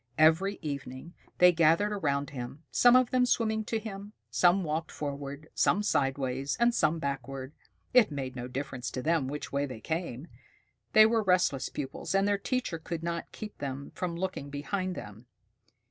Every evening they gathered around him, some of them swimming to him, some walking forward, some sidewise, and some backward. It made no difference to them which way they came. They were restless pupils, and their teacher could not keep them from looking behind them.